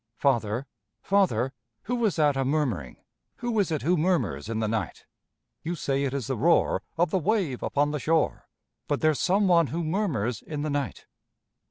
Father, father, who is that a murmuring? Who is it who murmurs in the night? You say it is the roar Of the wave upon the shore, But there's some one who murmurs in the night.